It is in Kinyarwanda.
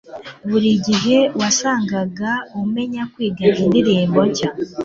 Buri gihe wasangaga umenya kwiga indirimbo nshya.